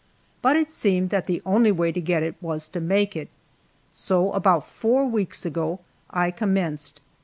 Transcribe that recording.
But it seemed that the only way to get it was to make it. So, about four weeks ago, I commenced.